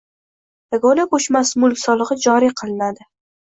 yagona ko‘chmas mulk solig‘i joriy qilinadi.